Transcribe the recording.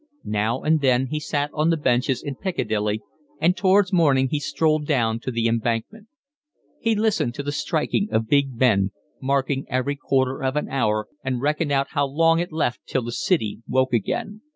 Now and then he sat on the benches in Piccadilly and towards morning he strolled down to The Embankment. He listened to the striking of Big Ben, marking every quarter of an hour, and reckoned out how long it left till the city woke again.